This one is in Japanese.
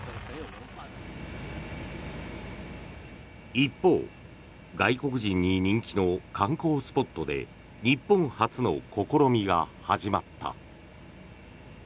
一方、外国人に人気の観光スポットで日本初の試みが始まった。